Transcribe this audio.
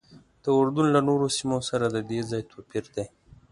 د اردن له نورو سیمو سره ددې ځای توپیر دی.